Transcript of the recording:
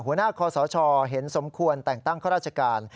หัวหน้าคอสชเห็นสมควรแต่งตั้งข้าราชการ